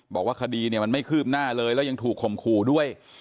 บอกว่าคดีมันไม่คืบหน้าเลยและยังถูกข่มคูด้วย